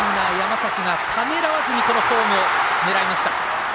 二塁ランナー、山崎がためらわずにホームを狙いました。